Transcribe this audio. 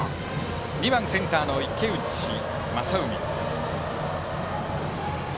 ２番、センターの池内仁海。